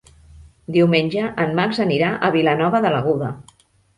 Diumenge en Max anirà a Vilanova de l'Aguda.